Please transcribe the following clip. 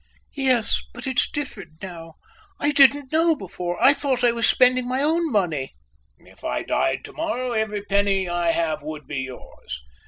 "Yes, but it's different now. I didn't know before. I thought I was spending my own money." "If I died tomorrow, every penny I have would be yours.